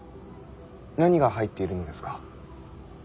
何が入っているのですか。